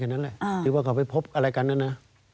แค่นั้นแหละหรือว่าเขาไปพบอะไรกันนั้นนะ